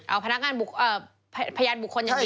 เอาพยานบุคคลอย่างเดียว